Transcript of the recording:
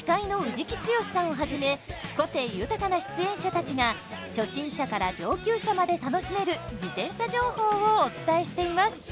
じきつよしさんをはじめ個性豊かな出演者たちが初心者から上級者まで楽しめる自転車情報をお伝えしています。